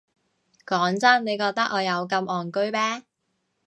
講真，你覺得我有咁戇居咩？